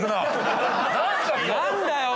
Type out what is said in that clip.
何だよ？